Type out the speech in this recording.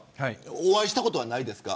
お会いしたことはないですか。